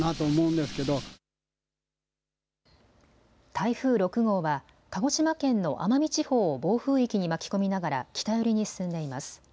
台風６号は鹿児島県の奄美地方を暴風域に巻き込みながら北寄りに進んでいます。